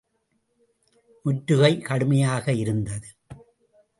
முற்றுகை கடுமையாக இருந்தது.